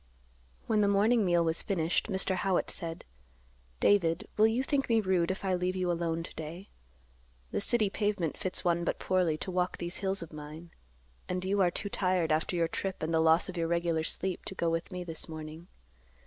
When the morning meal was finished, Mr. Howitt said, "David, will you think me rude, if I leave you alone to day? The city pavement fits one but poorly to walk these hills of mine, and you are too tired after your trip and the loss of your regular sleep to go with me this morning.